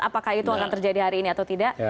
apakah itu akan terjadi hari ini atau tidak